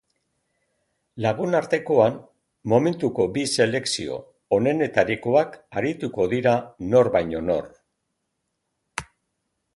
Lagunartekoan, momentuko bi selekzio onenetarikoak arituko dira nor baino nor.